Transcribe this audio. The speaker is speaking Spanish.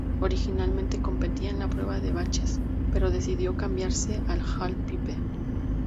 Originalmente competía en la prueba de baches, pero decidió cambiarse al "halfpipe".